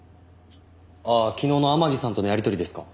ああ昨日の天樹さんとのやりとりですか？